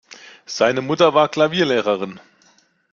Seine Mutter war Klavierlehrerin.